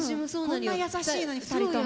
こんな優しいのにふたりとも。